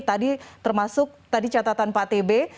tadi termasuk tadi catatan pak tb